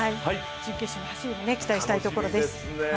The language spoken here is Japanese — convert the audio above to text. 準決勝の走りも期待したいところです。